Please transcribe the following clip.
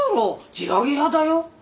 地上げ屋だよ。